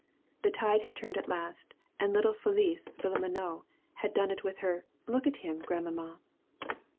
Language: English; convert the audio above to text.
The tide had turned at last, and little Félicie Villeminot had done it with her "Look at him, grandmamma!"